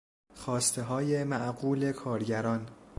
خواستههای معقول کارگران